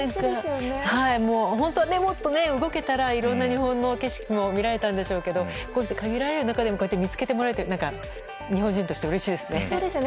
本当はもっと動けたらいろんな日本の景色も見られたんでしょうけどこうした限られる中でもこうやって見つけてもらえて日本人としてうれしいですね。